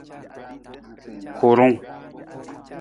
Hurung.